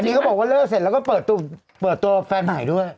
เขาบอกว่าเลิกเสร็จแล้วก็เปิดตัวแฟนใหม่ด้วย